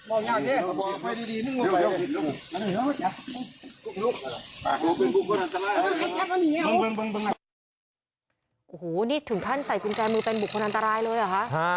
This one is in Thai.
โอ้โหนี่ถึงขั้นใส่กุญแจมือเป็นบุคคลอันตรายเลยเหรอคะ